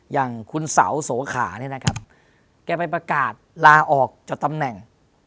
อย่างคุณเสาโสขาแกไปประกาศลาออกจากตำแหน่ง